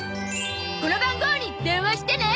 この番号に電話してね！